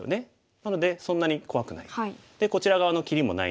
なのでそんなに怖くない。